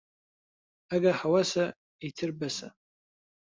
ئەگە هەوەسە، ئیتر بەسە